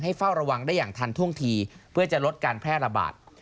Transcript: เฝ้าระวังได้อย่างทันท่วงทีเพื่อจะลดการแพร่ระบาด